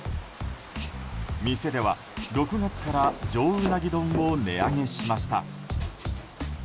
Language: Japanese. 店では６月から上うなぎ丼を値上げしました。